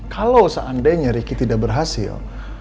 kalau seandainya ricky tidak berhasil